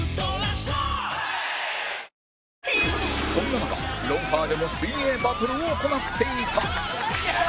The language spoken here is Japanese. そんな中『ロンハー』でも水泳バトルを行っていた